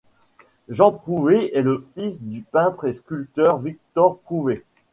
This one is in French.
Jean Prouvé est le fils du peintre et sculpteur Victor Prouvé.